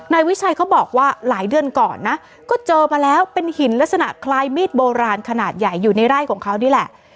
นายวิชัยเขาบอกว่าหลายเดือนก่อนนะก็เจอมาแล้วเป็นหินลักษณะคล้ายมีดโบราณขนาดใหญ่อยู่ในไร่ของเขานี่แหละ